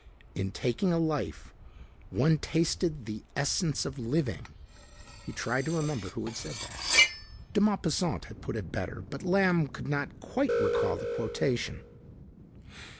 In taking a life, one tasted the essence of living. He tried to remember who had said that. De Maupassant had put it better but Lamb could not quite recall the quotation....